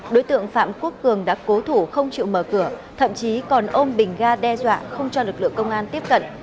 đối tượng phạm quốc cường đã cố thủ không chịu mở cửa thậm chí còn ôm bình ga đe dọa không cho lực lượng công an tiếp cận